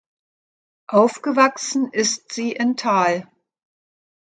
Aufgewachsen ist sie in Thal.